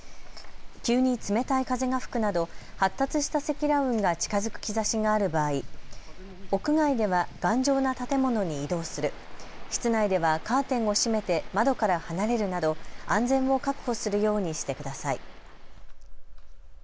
急に冷たい風が吹くなど発達した積乱雲が近づく兆しがある場合、屋外では頑丈な建物に移動する室内ではカーテンを閉めて窓から離れるなど安全を確保するようにしてください。